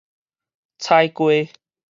踩街